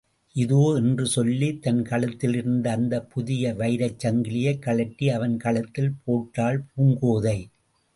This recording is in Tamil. இதோ! என்று சொல்லித் தன் கழுத்திலிருந்த அந்தப் புதிய வைரச் சங்கிலியை கழற்றி அவன் கழுத்தில் போட்டாள் பூங்கோதை.